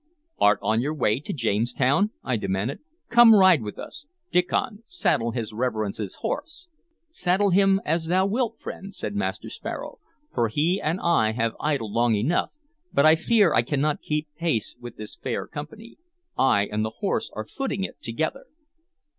"Art on your way to Jamestown?" I demanded. "Come ride with us. Diccon, saddle his reverence's horse." "Saddle him an thou wilt, friend," said Master Sparrow, "for he and I have idled long enough, but I fear I cannot keep pace with this fair company. I and the horse are footing it together."